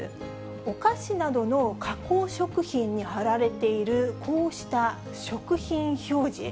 お菓子などの加工食品に貼られているこうした食品表示。